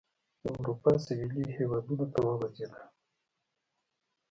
د اروپا سوېلي هېوادونو ته وغځېدل.